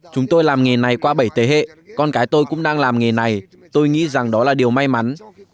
chúng tôi làm nghề này qua bảy thế hệ con cái tôi cũng đang làm nghề này tôi nghĩ rằng đó là điều may mắn